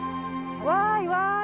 わいわい。